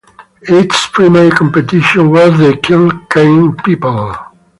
Its primary competition was the "Kilkenny People".